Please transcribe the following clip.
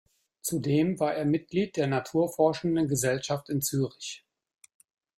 Zudem war er Mitglied der Naturforschenden Gesellschaft in Zürich.